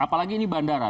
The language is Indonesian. apalagi ini bandara